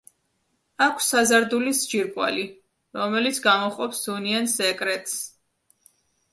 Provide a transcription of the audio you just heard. აქვს საზარდულის ჯირკვალი, რომელიც გამოჰყოფს სუნიან სეკრეტს.